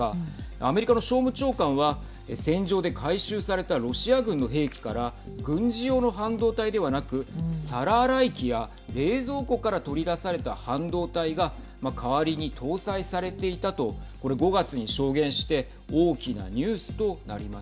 アメリカの商務長官は戦場で回収されたロシア軍の兵器から軍事用の半導体ではなく皿洗い機や冷蔵庫から取り出された半導体が代わりに搭載されていたとこれ、５月に証言してはい。